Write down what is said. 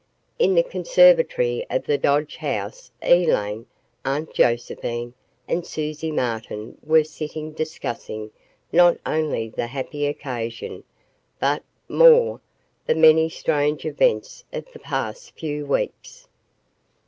In the conservatory of the Dodge house Elaine, Aunt Josephine, and Susie Martin were sitting discussing not only the happy occasion, but, more, the many strange events of the past few weeks.